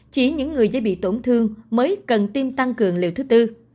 chỉ những người dễ bị tổn thương mới cần tiêm tăng cường liều thứ tư